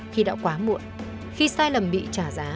khi đã quá muộn khi sai lầm bị trả giá